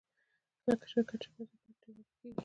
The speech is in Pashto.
لکه د شرکت چې له پیسو پرته ډیوالي کېږي.